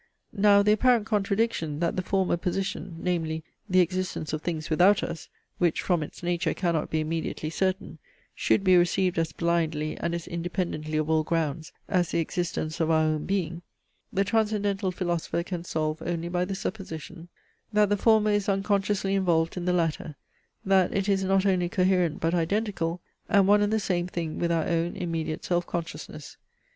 Now the apparent contradiction, that the former position, namely, the existence of things without us, which from its nature cannot be immediately certain, should be received as blindly and as independently of all grounds as the existence of our own being, the Transcendental philosopher can solve only by the supposition, that the former is unconsciously involved in the latter; that it is not only coherent but identical, and one and the same thing with our own immediate self consciousness.